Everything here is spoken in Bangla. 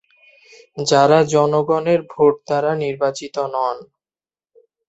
যারা জনগণের ভোট দ্বারা নির্বাচিত নন।